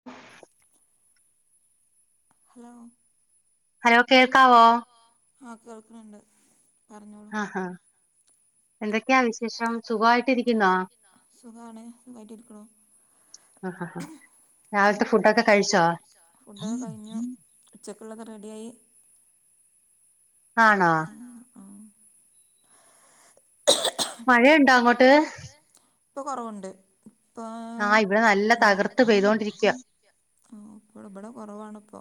[inaudible] Hello hello കേൾക്കാവോ? ആഹ് കേൾക്ണ് ണ്ട് പറഞ്ഞോ ആഹ്. എന്തൊക്കെയാ വിശേഷം? സുഖവായി സുഖാണ് സുഖായിട്ടിരിക്ണു. ആഹ് ഹ ഹ. രാവിലത്തെ ഫുഡൊക്കെ കഴിച്ചോ? ഫുഡൊക്കെ കഴിഞ്ഞു ഉച്ചക്കുള്ളത് റെഡിയായി. ആണോ? ആണോ? ആഹ് മഴയുണ്ടോ അങ്ങോട്ട്? ഇപ്പൊ കൊറവുണ്ട് ആഹ് ഇവിടെ നല്ല തകർത്ത് പെയ്തോണ്ടിരിക്ക്യാ ആഹ് ഇപ്പള് ഇബടെ കൊറവാണ് ഇപ്പൊ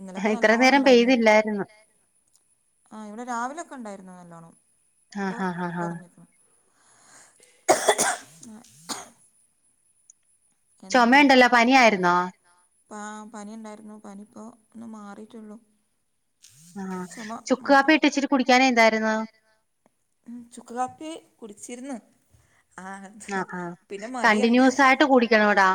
ഇന്നലൊക്കെ ഇത്ര നല്ലോണം നേരം ഇണ്ടായിരുന്ന് ങ്ങനെ പെയ്ത് പെയ്തില്ലായിരുന്നു ല്ലേ ആഹ് ഇവ്ടെ രാവിലെക്കെ ഇണ്ടായിര്ന്നു നല്ലോണ്ണം ഇപ്പൊ ആഹ് ആഹ് ആഹ് ആഹ് കൊറഞ്ഞ്ക്ക്ണ് ആഹ് എന്നിട്ട് ചൊമ ഇണ്ടല്ലോ പനിയായിരുന്നോ പ ആഹ് പനി ഇണ്ടായ്ര്ന്നു പനിപ്പോ ഒന്ന് മാറീറ്റൊള്ളു ആഹ് ചുക്ക് കാപ്പി മാത്രം ഇട്ടിച്ചിരി കുടിക്കാഞ്ഞെ എന്തായ്രുന്നു ഉം ചുക്ക് കാപ്പി കുടിച്ചിര്ന്ന് ആഹ് ആഹ് കണ്ടിന്യൂസായിട്ട് കുടിക്കണവെടാ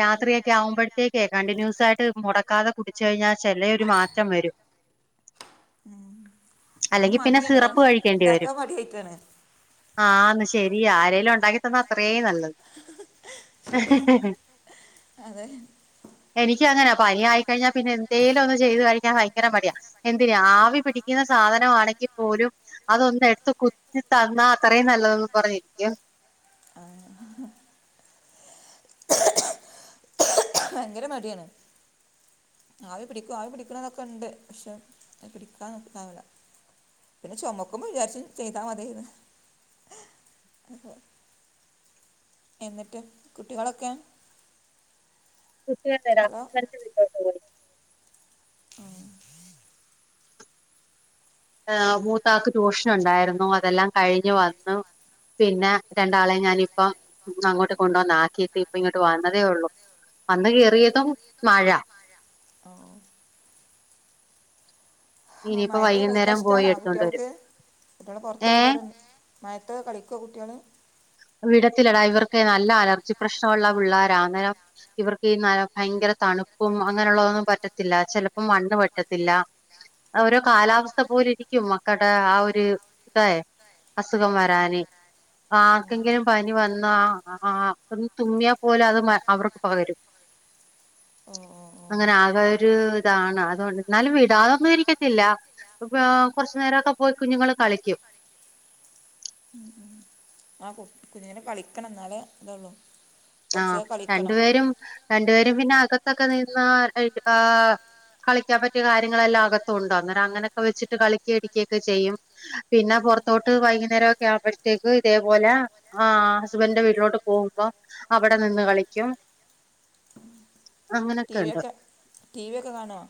രാത്രിയെക്കെ ആവുമ്പഴത്തേക്കേ കണ്ടിന്യൂസായിട്ട് മുടക്കാതെ കുടിച്ച് കഴിഞ്ഞാൽ ചെലെ ഒര് മാറ്റം വെരും ഉം, അധികം അല്ലെങ്കി പിന്നെ മടിയാണ് സിറപ്പ് അതാണ് കഴിക്കേണ്ടി വരും ഉണ്ടാക്കാൻ മടിയായിട്ടാണ് ആന്ന് ശരിയാ ആരേലും ഉണ്ടാക്കി തന്നാ അത്രേം നല്ലത് ശരി അതെ എനിക്ക് അങ്ങനാ പനി ആയിക്കഴിഞ്ഞാ പിന്നെ എന്തേലും ഒന്ന് ചെയ്ത് കഴിക്കാൻ വയ് ങ്കര മടിയാ എന്തിന് ആവി പിടിക്കുന്ന സാധനവാണെങ്കി പോലും അതൊന്ന് എട്ത്ത് കുത്തി തന്നാ അത്രയും നല്ലതെന്ന് പറഞ്ഞിരിക്ക്യും ആഹ് ഭയങ്കര മടിയാണ് ആവി പിടിക്കും ആവി പിടിക്കണം ന്നൊക്കെ ഇണ്ട് പക്ഷെ അത് പിടിക്കാൻ നോക്കി ഇണ്ടാവില്ല പിന്നെ ചൊമക്കുമ്പൊ വിചാര്ച്ചും ചെയ്താ മത്യേയ്ന്ന് എന്നിട്ട് കുട്ടികളൊക്കെ കുട്ടികള് [unintelligible] ഹലോ ഹസ്ബൻഡ് വിളി ആഹ് ഉം എഹ് മൂത്താക്ക് ട്യൂഷൻ ഉണ്ടായിരുന്നു അതെല്ലാം കഴിഞ്ഞ് വന്നു പിന്നെ രണ്ടാളേ ഞാനിപ്പം അങ്ങോട്ട് കൊണ്ടുവന്ന് ആക്കിയിട്ട് ഇപ്പ ഇങ്ങട്ട് വന്നതേ ഒള്ളു വന്ന് കേറിയതും മഴ ഓഹ് ഓഹ് ആഹ് ഇനിയിപ്പോ മഴത്തെക്കെ കളിക്കാൻ വൈകുന്നേരം പോയി ഇഷ്ടണോ എടുത്തോണ്ട് വരും കുട്ട്യാള്ക്ക് കുട്ട്യാളെ പൊർത്തൊക്കെ വിടര് ഏഹ് മഴത്തൊക്കെ കളിക്കോ കുട്ട്യാള് വിടത്തില്ലെടാ ഇവർക്ക് നല്ല അലർജി പ്രശ്നവുള്ള പിള്ളാര അന്നേരം ഇവർക്ക് ഈ മഴ ഭയങ്കര തണ്പ്പും അങ്ങനെള്ളതൊന്നും പറ്റത്തില്ല ചെലപ്പം മണ്ണ് പറ്റത്തില്ല അഹ് ഓരോ കാലാവസ്ഥപോലെ ഇരിക്കും മക്കൾടെ ആ ഒര് ഇതേ അസുഖം വരാന് ആഹ് ഓ ക്കെങ്കിലും പനി വന്നാ അഹ് ആഹ് ഒന്ന് തുമ്മിയാൽ പോലും അത് മ അവർക്ക് പകരും ഓഹ് ഓഹ് അങ്ങനെ ആകെ ഒരു ഇതാണ് അതോണ്ട് ന്നാലും വിടാതൊന്നും ഇരിക്കത്തില്ല ഓക്ക് ആഹ് കൊർച്ച് നേരംഒക്കെ പോയി കുഞ്ഞ്ങ്ങള് കളിക്ക്യും ഉം ഉം ആഹ് കു കുഞ്ഞങ്ങള് കളിക്കണം എന്നാലേ ഇതെള്ളൂ ആഹ് രണ്ട്പേരും രണ്ടുപേരും പിന്നെ അകത്തൊക്കെ നിന്ന് [unintelligible] കളിക്ക്യും ആഹ് കളിക്കാൻ പറ്റിയ കാര്യങ്ങളെല്ലാം അകത്തുണ്ട് അന്നേരം അങ്ങനെക്കെ വെച്ചിട്ട് കളിക്ക്യെ ഇരിക്ക്യെ ഒക്കെ ചെയ്യും പിന്നെ പൊറത്തോട്ട് വൈകുന്നേരെഒക്കെ ആവ്മ്പഴത്തേക്ക് ഇതേപോലെ ആഹ് ഹസ്ബൻഡന്റെ വീട്ടിലോട്ട് പോകുമ്പോ അവിടെ നിന്ന് കളിക്കും ടി അങ്ങനൊക്കെ വി ഉണ്ട് ഒക്കെ ടി വി ഒക്കെ കാണോ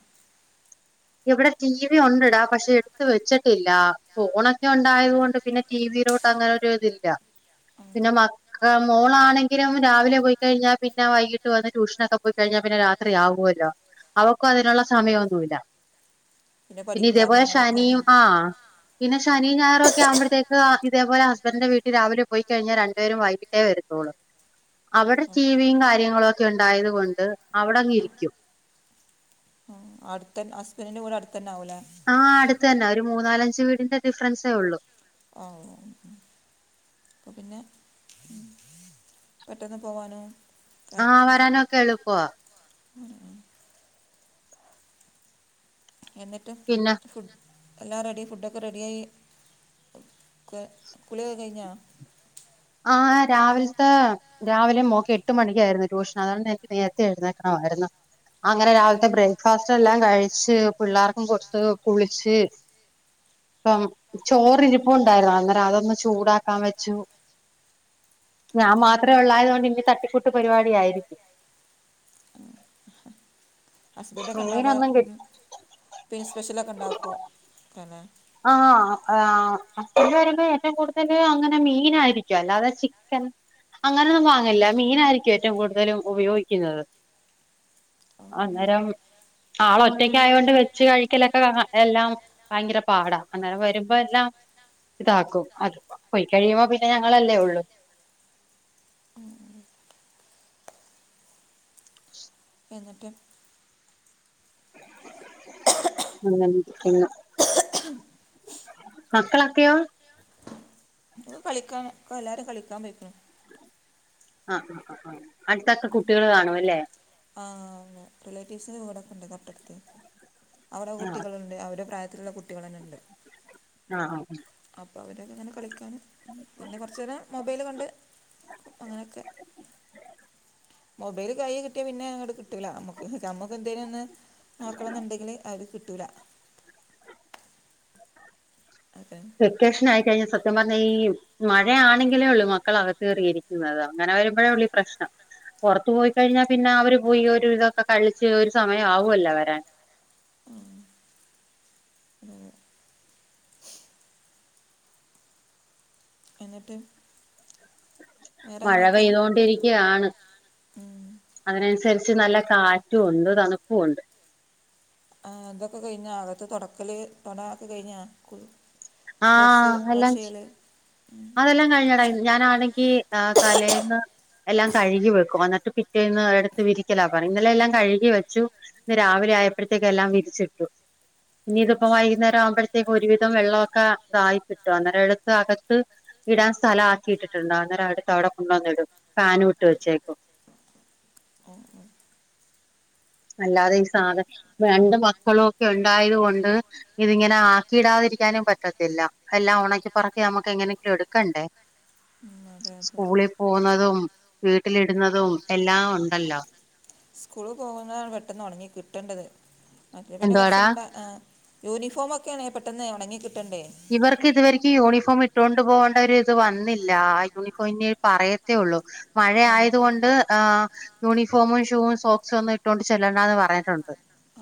ഇവിടെ ടി വി ഉണ്ട്ടാ പക്ഷെ എടുത്ത് വെച്ചിട്ടില്ല ഫോണൊക്കെ ഉണ്ടായത് കൊണ്ട് പിന്നെ ടി വിയിലോട്ട് അങ്ങനെ ഒരു ഇതില്ല ഉം. പിന്നെ മക് മോളാണെങ്കിലും രാവിലെ പോയിക്കഴിഞ്ഞാൽ പിന്നെ വൈകിട്ട് വന്ന് ട്യൂഷനൊക്കെ പോയിക്കഴിഞ്ഞാൽ പിന്നെ രാത്രി ആവുവല്ലോ അവക്കും അതിനുള്ള സമയമൊന്നുല്ല പിന്നെ പഠിക്കാൻ ഇതേപോലെ അങ്ങനെയൊക്കെ ശനിയും ആ. ആഹ് പിന്നെ ശനീം ഞായറുക്കെ ആമ്പഴത്തേക്ക് ആഹ് ഇതേപോലെ ഹസ്ബന്റിന്റെ വീട്ടിൽ രാവിലെ പോയി കഴിഞ്ഞാ രണ്ടുപേരും വൈകി ട്ടേ വരുത്തോളൂ അവിടെ ടിവിയും കാര്യങ്ങളും ഒക്കെ ഉണ്ടായത് കൊണ്ട് അവിടങ്ങ് ഇരിക്കും മ് അടുത്തന്ന ഹസ്ബൻറിന്റെ വീട് അടുത്തന്നാവൂലേ ആഹ് അടുത്തന്ന ഒരു മൂന്നാലഞ്ച് വീടിന്റെ ഡിഫറൻസേ ഒള്ളു ഓ [unintelligible] അപ്പപ്പിന്നെ പെട്ടെന്ന് പോവാനും ക്കെ ആ മ് വരാനൊക്കെ എളുപ്പവാ എളുപ്പ ആഹ് എന്നിട്ട് പിന്നെ ഫുഡ് എല്ലാം റെഡി ഫുഡൊക്കെ റെഡിയായി കെ കുളി ഒക്കെ കഴിഞ്ഞാ ആഹ് രാവിൽത്തെ രാവിലെ മോക്കെട്ട് മണിക്കായിയിരുന്നു ട്യൂഷൻ അതുകൊണ്ട് എനിക്ക് നേരത്തെ എഴുന്നേക്കണവാരുന്നു അങ്ങനെ രാവിലത്തെ ബ്രേക്ക്ഫാസ്റ്റ് എല്ലാം കഴിച്ച് പിള്ളേർക്കും കൊടുത്ത് കുളിച്ച് ഇപ്പം ചോറിരിപ്പോണ്ടായിരുന്നു അന്നേരം അതൊന്ന് ചൂടാക്കാൻ വെച്ചു ഞാൻ മാത്രേ ഒള്ളായതുകൊണ്ട് ഇനി തട്ടിക്കൂട്ട് പരിപാടിയായിരിക്കും ഹസ്ബൻഡൊക്കെ ഉണ്ടാകുമ്പോ മീനൊന്നും കിട്ടി പിൻ സ്പെഷ്യലൊക്കെ ഉണ്ടാക്കൊ പിന്നെ ആഹ് ആഹ് ഹസ്ബന്റ് വരുമ്പോ ഏറ്റവും കൂടുതല് അങ്ങനെ മീനായിരിക്കും അല്ലാതെ ചിക്കൻ അങ്ങനെയൊന്നും വാങ്ങില്ല മീനായിരിക്കും ഏറ്റവും കൂടുതലും ഉപയോഗിക്കുന്നത് ആഹ് ആളൊറ്റക്കായൊണ്ട് വെച്ച് കഴിക്കലൊക്കെ എല്ലാം ഭയങ്കര പാടാ അന്നേരം വരുമ്പോ എല്ലാം ഇതാക്കും അത് പോയി കഴിയുമ്പോ പിന്നെ ഞങ്ങളല്ലേ ഒള്ളൂ ഉം എന്നിട്ട് അങ്ങനെ ഇരിക്കുന്നു മക്കളൊക്കെയോ അത് കളിക്കാ എല്ലാരും കളിക്കാൻ പെയ്ക്കുണു. ആഹ് ആഹ് ആഹ് ആഹ് അടുത്തൊക്കെ കുട്ടികള് കാണുംല്ലേ ആഹ് റിലേറ്റീവ്സിന്റെ വീടൊക്കെണ്ട് തൊട്ടടുത്ത്. ത്ത് അവടെ ആ കുട്ടികളുണ്ട് അവരെ പ്രായത്തിലുള്ള കുട്ടികളെന്നെണ്ട്. ആഹ് ആഹ് ആഹ് അപ്പോ അവരൊക്കെങ്ങനെ കളിക്കാനും പിന്നെ കൊറച്ചേരം മൊബൈല് കണ്ട് അങ്ങനൊക്കെ മൊബൈല് കൈയ്യി കിട്ടിയാ പിന്നെ ഇങ്ങട്ട് കിട്ടൂല നമ്മക്ക് നമ്മക്ക് എന്തേനൊന്ന് നോക്കണന്നുണ്ടെങ്കിൽ അത് കിട്ടൂല അതെ വെക്കേഷൻ ആയിക്കഴിഞ്ഞാൽ സത്യം പറഞ്ഞ ഈ മഴയാണെങ്കിലേ ഒള്ളൂ മക്കളകത്ത് കയറിയിരി ക്കുന്നത് അങ്ങനെവെരുമ്പഴേയൊള്ളീ പ്രശ്നം. പൊറത്ത് പോയി കഴിഞ്ഞാൽ പിന്നെ അവര് പോയി ഒരു വിധോക്കെ കളിച്ച് ഒരു സമയാവൊല്ല വരാൻ ഉം എന്നിട്ട് വേറെ മഴ എങ്ങനെയൊക്കെ പെയ്തൊണ്ടിരിക്കയാണ് അതിനനുസരിച്ച് നല്ല കാറ്റുമുണ്ട് തണുപ്പുമുണ്ട് ആഹ് അതൊക്കെ കഴിഞ്ഞ അകത്ത് തൊടക്കല് തൊട അതൊക്കെ കഴിഞ്ഞാ കുളി ആ ഡ്രസ്സ് വാഷെയ്യല് തെല്ലാം കഴിഞ്ഞടാ ഞാനാണെങ്കി ഏഹ് തലേന്ന് എല്ലാം കഴുകി വെക്കും എന്നിട്ട് പിറ്റേന്ന് എടുത്ത് വിരിക്കലാ പണി ഇന്നലെ എല്ലാം കഴുകി വെച്ചു ഇന്ന് രാവിലെ ആയപ്പൊഴ്ത്തേക്ക് എല്ലാം വിരിച്ചിട്ടു ഇനി ഇതിപ്പോ വൈകുന്നേരം ആവുമ്പഴ്ത്തേക്കും ഒരുവിധം വെള്ളൊക്കെ ഇതായി കിട്ടും അന്നേരം എടുത്ത് അകത്ത് ഇടാൻ സ്ഥലം ആക്കിയിട്ടിട്ടുണ്ട് അന്നേരം എടുത്ത് അവ്ടെ കൊണ്ട് വന്നിടും ഫാനും ഇട്ട് വെച്ചേക്കും മ്ഹ് മ്ഹ് അല്ലാതെ ഈ സാധ രണ്ട് മക്കളുമൊക്കെ ഉണ്ടായത് കൊണ്ട് ഇതിങ്ങനെ ആക്കിയിടാതിരിക്കാനും പറ്റത്തില്ല എല്ലാം ഒണക്കി പെറുക്കി നമുക്ക് എങ്ങനെയെങ്കിലും എടുക്കണ്ടേ അതെ അതെ സ്കൂളിൽ പോകുന്നതും വീട്ടിലിടുന്നതും എല്ലാം ഉണ്ടല്ലോ സ്കൂളിൽ പോകുന്നതാണ് പെട്ടെന്ന് ഒണങ്ങി കിട്ടണ്ടത് മറ്റേത് പിന്നെ എന്തുവാടാ കൊറച്ചിണ്ടാ ആഹ് യൂണിഫോമൊക്കേണേ പെട്ടെന്ന് ഒണങ്ങി കിട്ടണ്ടേ ഇവർക്ക് ഇതുവരെക്കും യൂണിഫോം ഇട്ടുകൊണ്ട് പോകേണ്ട ഒരു ഇത് വന്നില്ല ആഹ് യൂണിഫോമിനി പറയത്തേ ഉള്ളു മഴ ആ ആയതു കൊണ്ട് ആഹ് യൂണിഫോമും ഷൂവും സോക്സും ഒന്നും ഇട്ടോണ്ട് ചെല്ലണ്ടാന്ന് പറഞ്ഞിട്ടുണ്ട്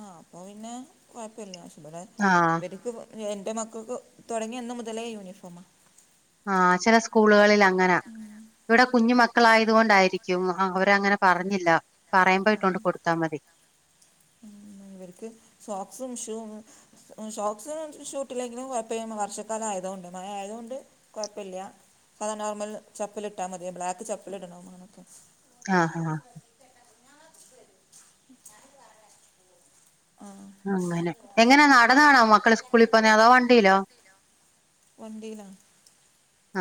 ആഹ് അപ്പൊ പിന്നെ കൊഴപ്പല്ല പക്ഷേ ഇബടെ ആഹ് ഇവരിക്ക് എന്റെ മക്കൾക്ക് തൊടങ്ങിയ അന്ന് മുതലേ യൂണിഫോമാ ആഹ് ചെല സ്കൂളുകളിൽ അങ്ങനാ ഇവ്ടെ കുഞ്ഞു മക്കളായതു കൊണ്ടായിരിക്കും ആഹ് അവരങ്ങനെ പറഞ്ഞില്ല പറയുമ്പോ ഇട്ടോണ്ട് കൊടുത്താ മതി സോക്സും ഷൂവും ഷോക്സ് ഷൂ ഇട്ടില്ലെങ്കിലും കൊഴപ്പല്ല വർഷക്കാലം ആയതുകൊണ്ട് മഴ ആയതുകൊണ്ട് കൊഴപ്പല്ല സാധാ നോർമൽ ചപ്പൽ ഇട്ടാ മതി ബ്ലാക്ക് ചപ്പൽ ഇടണം അങ്ങനൊക്കെ ആഹ് ആഹ് ഞാനും പറഞ്ഞ അങ്ങനെ എങ്ങനാ നടന്നാണോ മക്കള് സ്കൂളിപ്പോകുന്നേ അതോ വണ്ടിയിലോ വണ്ടിയിലാ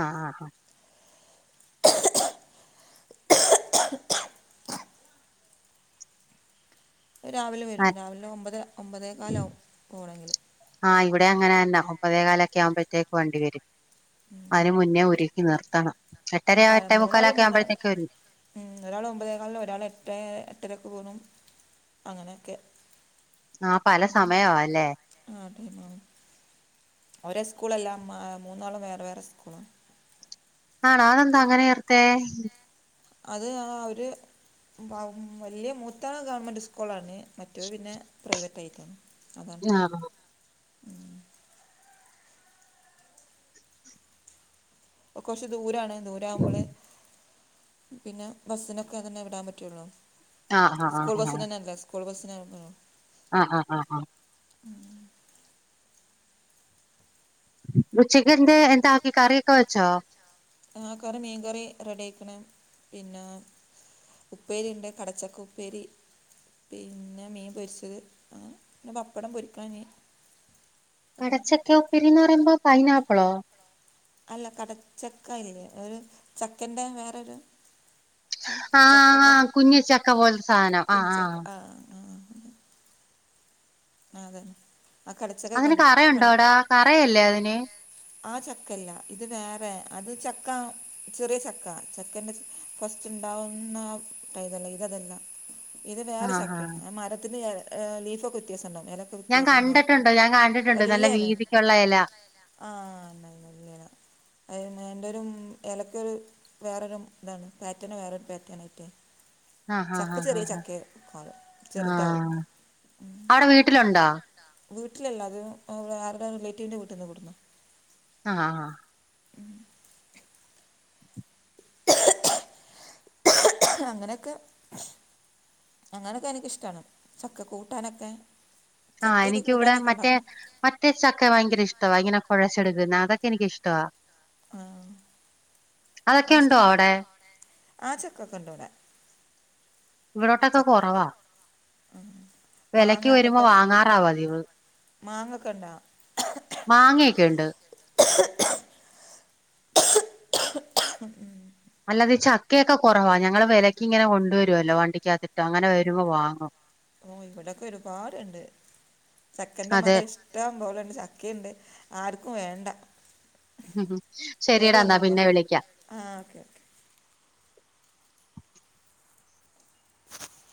ആഹ് ആഹ് ആഹ് ആ [inaudible] [inaudible] രാവിലെ വരും ആഹ് രാവിലെ ഒമ്പത് ഒമ്പതേ കാലാവും പോണങ്കില് ആഹ് ഇവിടേം അങ്ങന തന്ന ഒമ്പതേ കാലൊക്കെ ആവുമ്പഴ്ത്തേക്ക് വണ്ടി വരും അതിന് മുന്നേ ഒരുക്കി നിർത്തണം എട്ടര എട്ടേ മുക്കാലൊക്കേ ആവുമ്പഴ്ത്തേക്ക് വരും ഉം ഒരാള് ഒമ്പതേ കാല് ഒരാള് എട്ടേ എട്ടരക്ക് പോകുന്നു അങ്ങനെയൊക്കെ ആഹ് പല സമയവാ അല്ലേ ആഹ് [unintelligible] ഒരേ സ്കൂളല്ലാ മാ മൂന്നാളും വേറെ വേറെ സ്കൂളാ ആണോ അതെന്താ അങ്ങനെ ചേർത്തേ അത് ആഹ് ഒരു വ വല്യ മൂത്താള് ഗവൺമെന്റ് സ്കൂളാണ് മറ്റൊരു പിന്നെ പ്രൈവറ്റായിട്ടാണ് അതാ ആഹ് ഇപ്പൊ കൊറച്ച് ദൂരാണ് ദൂരവുമ്പൊള് പിന്നെ ബസ്സിനൊക്കെഅതന്നെ വിടാൻ പറ്റുള്ളൂ ആഹ് ആഹ് സ്കൂൾ ബസ്സിന് ആഹ് തന്നെ അല്ലെ സ്കൂൾ ബസിന് [unintelligible] ആ ആ ആ ആ് ഉച്ചക്ക് എന്തേ താക്കി കറിയൊക്കെ വെച്ചോ ആ കറി മീൻകറി റെഡി ആയിക്കണ് പിന്നെ ഉപ്പേരി ഉണ്ട് കടച്ചക്ക ഉപ്പേരി പിന്നെ മീൻ പൊരിച്ചത് അങ്ങനെ പിന്നെ പപ്പടം പൊരിക്കാന്ന് നീ കടച്ചക്കെ ഉപ്പിരിന്ന് പറയുമ്പോ പൈനാപ്പിളോ അല്ല കടച്ചക്ക അല്ലേ ഒരു ചക്കന്റെ വേറൊരു ആ ചക്ക പോലെ ആ് കുഞ്ഞിച്ചക്ക പോലത്തെ സാധനം ആ ആ കുഞ്ചക്ക ആ ആ അതെ ആ കടച്ചക്ക അതിന് കണ്ട് കണ്ടിട്ട കറയുണ്ടോടാ കറയല്ലേ അതിന് ആ ചക്കല്ല ഇത് വേറെ അത് ചക്കാ ചെറിയ ചക്ക ചക്കന്റെ ഫസ്റ്റ് ഉണ്ടാവുന്ന ആ [unintelligible] ഇത് അതല്ല ഇത് വേറെ ആഹ് ആഹ് ചക്കയാണ് മരത്തിന്റെ ലീഫ്ക്കെ വത്യാസം ഇണ്ടാവും എല ഞാൻ കണ്ടിട്ടുണ്ട് ഞാൻ കണ്ടിട്ടുണ്ട് നല്ല വീതിക്കുള്ള എല ആഹ് നല്ലല്ലണ അത് എൻ്റെ ഒരു ഇലക്കൊരു വേറൊരു ഇതാണ് പാറ്റേണ വേറൊരു പാറ്റേൺായിട്ടേ ആഹ് ആഹ് ആ കാളും ആ ചെറുതാവും അവിടെ വീട്ടിലുണ്ടോ വീട്ടിലല്ല അത് അവിടെ ആരുടെ റിലേറ്റീവിൻ്റെ വീട്ടിൽ നിന്ന് കൊണ്ട്ന്ന ആഹ് ആ അങ്ങനെയൊക്കെ അങ്ങനൊക്കെ എനിക്കിഷ്ടാണ് ചക്ക കൂട്ടാനൊക്കെ ആഹ് ചക്കയിട്ട് എനിക്കിവിടെ കൂട്ടാനൊക്കെ മറ്റേ ഉണ്ടാക്കും മറ്റേ ചക്ക ഭയങ്കര ഇഷ്ടവാ ഇങ്ങനെ കുഴച്ചെടുക്കുന്ന അതൊക്കെ എനിക്കിഷ്ടവാ ആഹ് അതൊക്കെ ഉണ്ടോ അഷ്ടം അവിടെ ആ ചക്കൊക്കെ ഉണ്ട് ഇവിടെ ഇവിടോട്ടൊക്കെ ചക്ക കുറവാ ഉം. മാങ്ങ വെലക്ക് വരുമ്പോ അതൊക്കെ വാങ്ങാറാ പതിവ് മാങ്ങ ഒക്കെ ഉണ്ടാവും മാങ്ങ ഒക്കെയുണ്ട് ഉ [inaudible] [unintelligible] അല്ലാതെ ചക്കയൊക്കെ കുറവാ ഞങ്ങള് വിലയ്ക്ക് ഇങ്ങനെ കൊണ്ടുവരുമല്ലോ വണ്ടിക്കാകത്തിട്ട് അങ്ങനെ വരുമ്പോ വാങ്ങും ഓ ഇവിടൊക്കെ ഒരുപാടുണ്ട് ചക്കന്റെ അതെ മരഷ് ഷ്ടം പോലെഒരു ചക്കയുണ്ട് ആർക്കും വേണ്ട ഉ കേട് ശെരിടാന്നാ വന്നു പോവാ പിന്നെ വിളിക്ക ആ ഓക്കെ ഓക്കെ